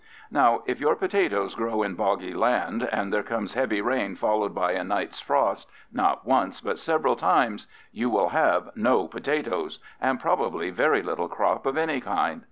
Now, if your potatoes grow in boggy land, and there comes heavy rain followed by a night's frost, not once but several times, you will have no potatoes, and probably very little crop of any kind.